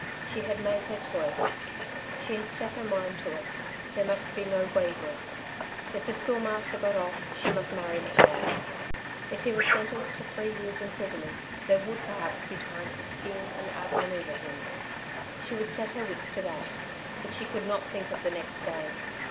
She had made her choice. She had set her mind to it. There must be no wavering. If the Schoolmaster got off, she must marry McNab; if he was sentenced to three years imprisonment there would perhaps be time to scheme and out manoeuvre him. She would set her wits to that. But she could not think of the next day.